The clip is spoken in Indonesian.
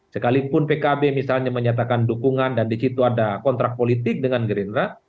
sekalipun pkb misalnya menyatakan dukungan dan di situ ada kontrak politik dengan gerindra